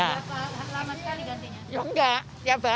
kita akan ulang kan saja terkawannya lebih sulit